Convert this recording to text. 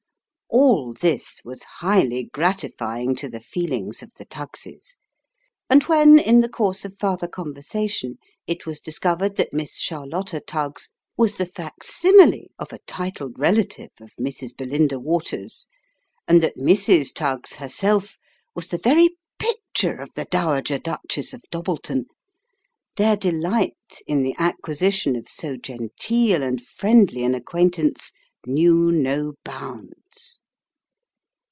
All this was highly gratifying to the feelings of the Tuggs's ; and when, in the course of farther conversation, it was discovered that Miss Charlotta Tuggs was the facsimile of a titled relative of Mrs. Belinda Waters, and that Mrs. Tuggs herself was the very picture of the Dowager Duchess of Dobbleton, their delight in the acquisition of so genteel and friendly an acquaintance, knew no bounds.